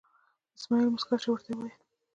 اسمعیل موسکی شو او ورته یې وویل.